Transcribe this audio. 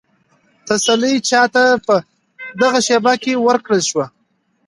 تسلي چا ته په دغه شېبه کې ورکړل شوه؟